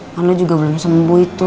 kan lu juga belum sembuh itu